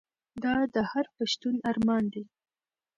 دا د هر پښتون ارمان دی.